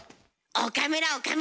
岡村岡村。